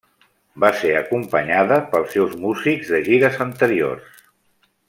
Va ser acompanyada pels seus músics de gires anteriors.